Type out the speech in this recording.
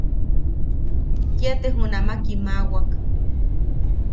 Kia te junama kimawak.